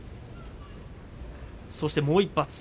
そして、もう１発。